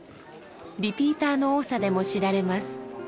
リピーターの多さでも知られます。